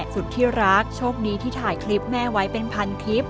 สุดที่รักโชคดีที่ถ่ายคลิปแม่ไว้เป็นพันคลิป